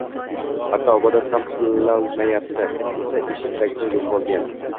Hatto ibodat ham qilolmayapti, it esa eshik tagiga yotvolgan